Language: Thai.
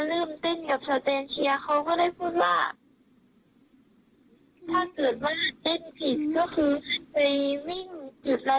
เริ่มเต้นกับสเตนเชียร์เขาก็ได้พูดว่าถ้าเกิดว่าเต้นผิดก็คือไปวิ่งจุดเรา